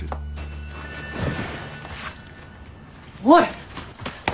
おい！